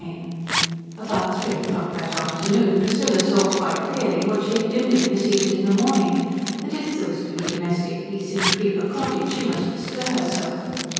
XVII About three o'clock that afternoon Priscilla saw quite clearly what she had dimly perceived in the morning, that if there was to be domestic peace in Creeper Cottage she must bestir herself.